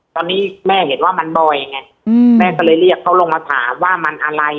ตอนนี้แม่เห็นว่ามันบ่อยไงแม่ก็เลยเรียกเขาลงมาถามว่ามันอะไร